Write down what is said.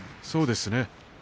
そうですね。